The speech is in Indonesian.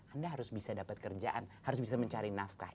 anda harus bisa dapat kerjaan harus bisa mencari nafkah